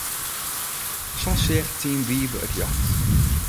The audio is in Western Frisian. Sa seach Team Wybe it ljocht.